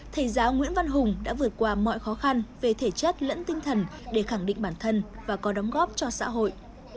thầy giáo nguyễn văn hùng đã vượt qua mọi khó khăn về thể chất lẫn tinh thần để khẳng định bản thân và có đóng góp cho xã hội